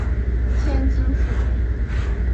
千筋树